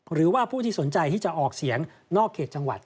หรือว่าผู้ที่สนใจที่จะออกเสียงนอกเขตจังหวัด